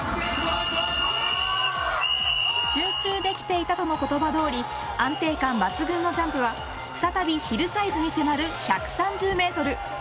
集中できていたとの言葉どおり安定感抜群のジャンプは再びヒルサイズに迫る１３０メートル。